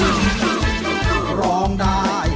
ร้องได้ไหลลา